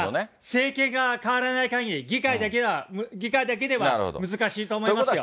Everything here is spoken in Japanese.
政権が代わらないかぎり、議会だけでは難しいと思いますよ。